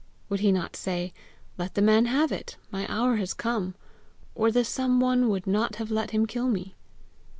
Would he not say, 'Let the man have it; my hour was come, or the Some One would not have let him kill me!'?"